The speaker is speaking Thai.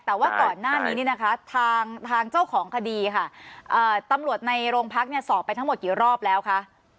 แต่ว่าก่อนหน้านี้นี่นะคะทางเจ้าของคดีค่ะตำรวจในโรงพักเนี่ยสอบไปทั้งหมดกี่รอบแล้วคะ